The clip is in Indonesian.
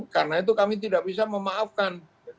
karena itu kami tidak bisa memaafkan